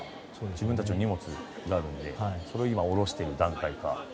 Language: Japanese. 自分たちの荷物があるのでそれを今、下ろしている段階か。